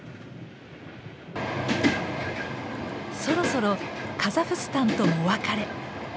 そろそろカザフスタンともお別れ。